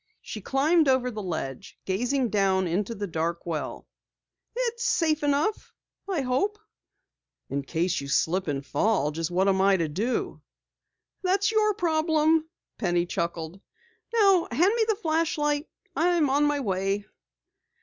She climbed over the ledge, gazing down into the dark well. "It's safe enough I hope." "In case you slip and fall, just what am I to do?" "That's your problem," Penny chuckled. "Now hand me the flashlight. I'm on my way."